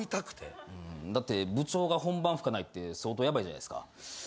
だって部長が本番吹かないって相当ヤバいじゃないですか。